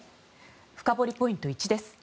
深掘りポイント１です。